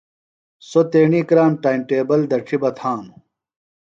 سوۡ تیݨی کرام ٹائم ٹیبل دڇھیۡ بہ تھانوۡ۔